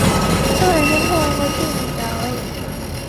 中华人民共和国电影导演。